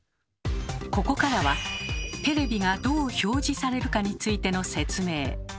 ここからはテレビがどう「表示」されるかについての説明。